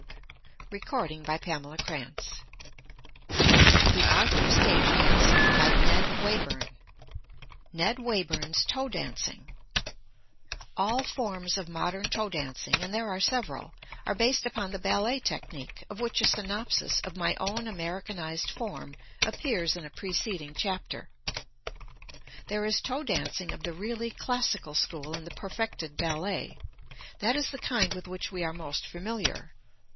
[Illustration: NW] [Illustration: VIRGINIA BACON] NED WAYBURN'S TOE DANCING All forms of modern toe dancing and there are several are based upon the ballet technique, of which a synopsis of my own Americanized form appears in a preceding chapter. There is toe dancing of the really classical school in the perfected ballet. That is the kind with which we are most familiar.